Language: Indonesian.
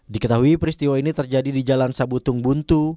diketahui peristiwa ini terjadi di jalan sabutung buntu